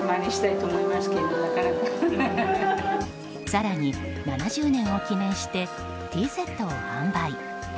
更に７０年を記念してティーセットを販売。